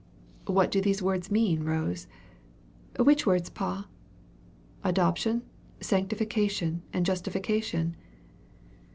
"What do those words mean, Rose?" "Which words, pa?" "Adoption, sanctification, and justification?"